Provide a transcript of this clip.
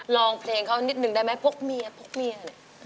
ลองเพลงเขานิดนึงได้ไหมพกเมียพกเมีย